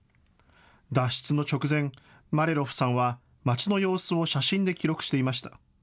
脱出の直前、マリャロフさんは町の様子を写真で記録していました。